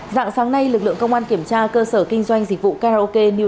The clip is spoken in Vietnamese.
dạng sáng nay lực lượng công an kiểm tra cơ sở kinh doanh dịch vụ karaoke new tám mươi sáu